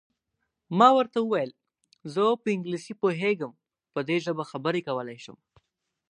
ما ورته وویل: زه په انګلیسي پوهېږم، په دې ژبه خبرې کولای شم.